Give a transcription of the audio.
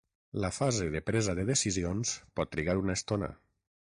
La fase de presa de decisions pot trigar una estona.